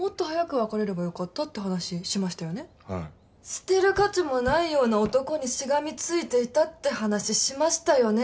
捨てる価値もないような男にしがみついていたって話しましたよね？